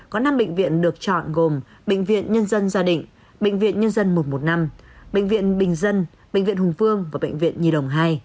có năm bệnh viện được chọn gồm bệnh viện nhân dân gia định bệnh viện nhân dân một trăm một mươi năm bệnh viện bình dân bệnh viện hùng vương và bệnh viện nhi đồng hai